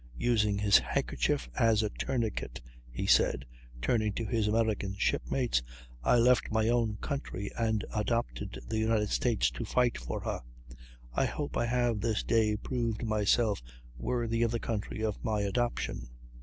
Using his handkerchief as a tourniquet, he said, turning to his American shipmates: "I left my own country and adopted the United States, to fight for her. I hope I have this day proved myself worthy of the country of my adoption.